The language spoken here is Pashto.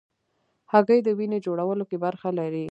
هګۍ د وینې جوړولو کې برخه لري.